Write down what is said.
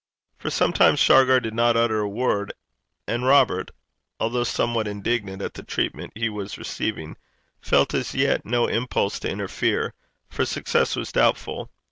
For some time Shargar did not utter a word; and Robert, although somewhat indignant at the treatment he was receiving, felt as yet no impulse to interfere, for success was doubtful.